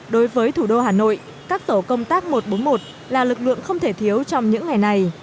đối với thủ đô hà nội các tổ công tác một trăm bốn mươi một là lực lượng không thể thiếu trong những ngày này